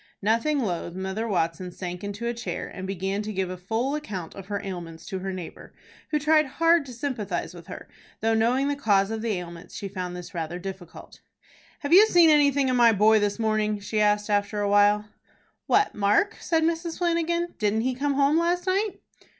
Nothing loth, Mother Watson sank into a chair, and began to give a full account of her ailments to her neighbor, who tried hard to sympathize with her, though, knowing the cause of the ailments, she found this rather difficult. "Have you seen anything of my boy this morning?" she asked after a while. "What, Mark?" said Mrs. Flanagan. "Didn't he come home last night?"